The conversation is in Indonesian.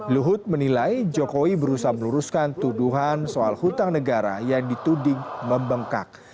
luhut menilai jokowi berusaha meluruskan tuduhan soal hutang negara yang dituding membengkak